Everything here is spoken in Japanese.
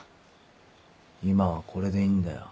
今はこれでいいんだよ。